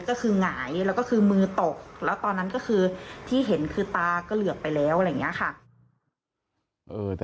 ก็คือหงายแล้วก็คือมือตกแล้วตอนนั้นก็คือที่เห็นคือตาก็เหลือไปแล้วอะไรอย่างนี้ค่ะ